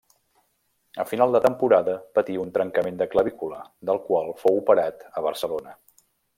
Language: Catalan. A final de temporada patí un trencament de clavícula, del qual fou operat a Barcelona.